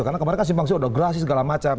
karena kemarin kan simpangsi odhokrasi segala macam